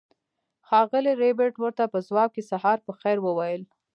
ښاغلي ربیټ ورته په ځواب کې سهار په خیر وویل